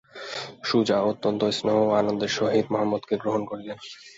সুজা অত্যন্ত স্নেহ ও আনন্দের সহিত মহম্মদকে গ্রহণ করিলেন।